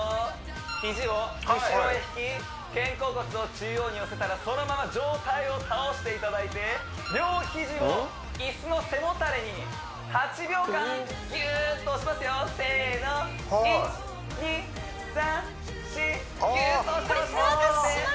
肘を後ろへ引き肩甲骨を中央に寄せたらそのまま上体を倒していただいて両肘を椅子の背もたれに８秒間ギューッと押しますよせーの１２３４ギューッとこれ背中